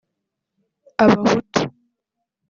Abahutu